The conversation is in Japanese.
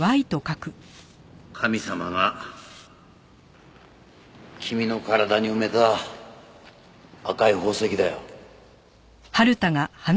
神様が君の体に埋めた赤い宝石だよ。